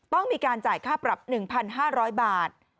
ต้องมีการจ่ายค่าปรับ๑๕๐๐บาท